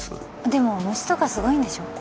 でも虫とかすごいんでしょ？